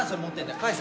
返せ！